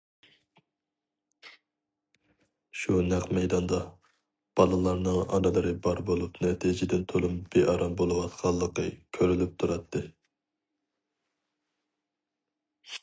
شۇ نەق مەيداندا بالىلارنىڭ ئانىلىرى بار بولۇپ نەتىجىدىن تولىمۇ بىئارام بولۇۋاتقانلىقى كۆرۈلۈپ تۇراتتى.